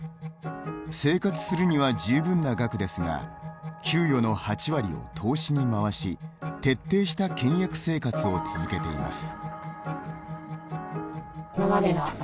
生活するには十分な額ですが給与の８割を投資に回し徹底した倹約生活を続けています。